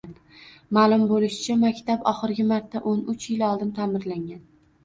Ma’lum bo‘lishicha, maktab oxirgi marta o'n uch yil oldin ta’mirlangan...